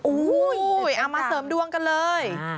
เอามาเสริมดวงกันเลย